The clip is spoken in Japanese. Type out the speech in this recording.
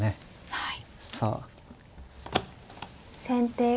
はい。